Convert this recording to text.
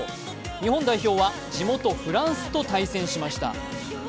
日本代表は地元・フランスと対戦しました。